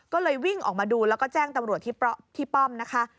ก็เลยวิ่งออกมาดูแล้วก็แจ้งตำรวจที่ป้อมนะคะ